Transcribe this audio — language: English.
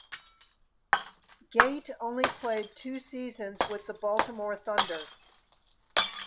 Gait only played two seasons with the Baltimore Thunder.